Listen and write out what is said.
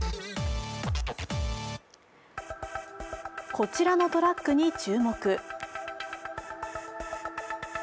こちらのトラックに注目。